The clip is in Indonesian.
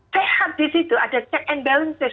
sehat di situ ada check and balances